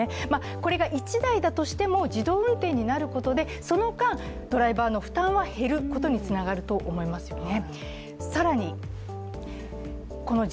これが１台だとしても自動運転になることでその間、ドライバーの負担は減ることにつながると思いますよね。